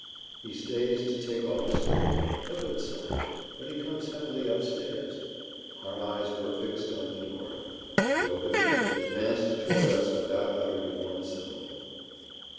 "He stays to take off his great coat! a good sign; but he comes heavily up stairs." Our eyes were fixed on the door he opened it, and advanced towards us without uttering one syllable.